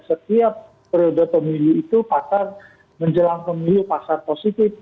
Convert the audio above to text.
setiap periode pemilu itu pasar menjelang pemilu pasar positif